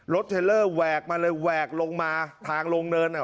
รถเทลเลอร์แหวกมาเลยแหวกลงมาทางโรงเริน